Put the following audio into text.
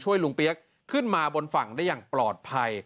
ลุงเปี๊ยกขึ้นมาบนฝั่งได้อย่างปลอดภัย